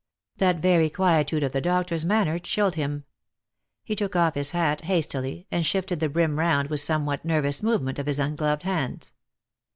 That very quietude of the doctor's manner chilled him. He took off his hat hastily, and shifted the brim round with a some what nervous movement of his ungloved hands.